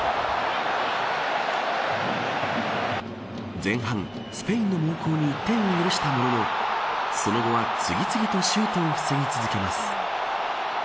前半、スペインの猛攻に１点を許したもののその後は次々とシュートを防ぎ続けます。